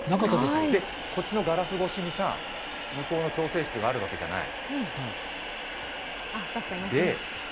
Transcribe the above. こっちのガラス越しに向こうの調整室があるわけじゃない？